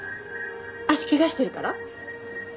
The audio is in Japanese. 足怪我してるから？